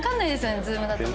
Ｚｏｏｍだとね。